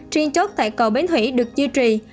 trên chốt tại cầu bến thủy được duy trì